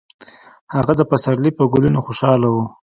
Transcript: هغه د پسرلي په ګلونو خوشحاله و.